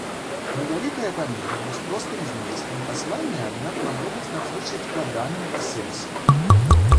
Невялікае памерамі, з простым зместам, пасланне, аднак, магло быць надзвычай складаным па сэнсе.